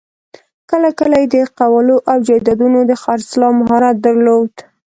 کله کله یې د قوالو او جایدادونو د خرڅلاوو مهارت درلود.